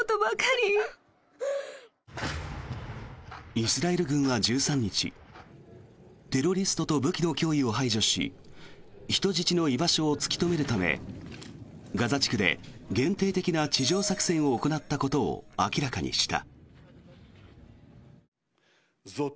イスラエル軍は１３日テロリストと武器の脅威を排除し人質の居場所を突き止めるためガザ地区で限定的な地上作戦を行ったことを明らかにした。